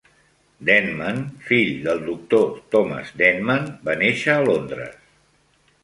Denman, fill del doctor Thomas Denman, va néixer a Londres.